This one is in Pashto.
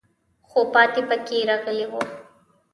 خو پاتې پکې راغلی وو.